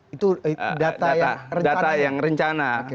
itu data yang rencana